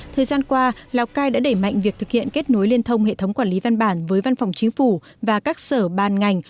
thời gian qua lào cai đã đẩy mạnh việc thực hiện kết nối liên thông hệ thống quản lý văn bản với văn phòng chính phủ và các sở ban ngành